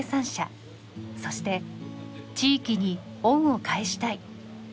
そして地域に恩を返したい。